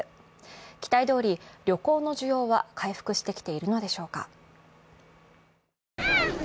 期待どおり、旅行の需要は回復してきているのでしょうか。